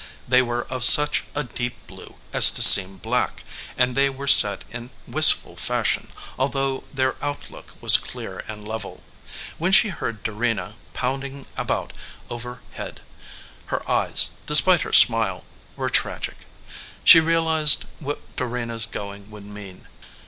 They were of such a deep blue as to seem black, and they were set in wistful fashion, although their out look was clear and level. When she heard Dorena pounding about over head, her eyes, despite her smile, were tragic. She realized what Dorena s going would mean.